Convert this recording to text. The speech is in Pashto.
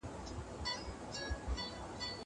هغه وويل چي ليکلي پاڼي مهم دي.